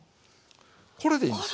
これでいいんです。